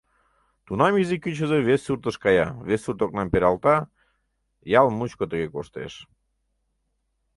Тунам изи кӱчызӧ вес суртыш кая, вес сурт окнам пералта — ял мучко тыге коштеш.